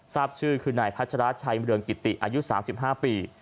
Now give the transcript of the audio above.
ทราบชื่อคือนายพัชราชัยเมืองกิติอายุ๓๕ปี